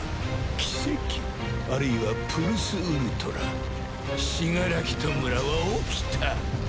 奇跡或いはプルスウルトラ死柄木弔は起きた。